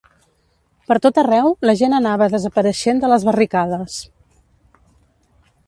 Pertot arreu la gent anava desapareixent de les barricades